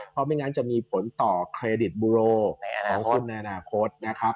เพราะไม่งั้นจะมีผลต่อเครดิตบูโรของคนในอนาคตนะครับ